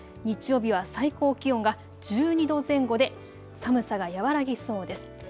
日曜日は最高気温が１２度前後で寒さが和らぎそうです。